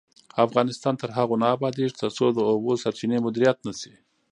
افغانستان تر هغو نه ابادیږي، ترڅو د اوبو سرچینې مدیریت نشي.